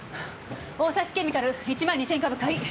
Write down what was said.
大崎ケミカル１万２０００株買い！